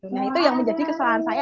nah itu yang menjadi kesalahan saya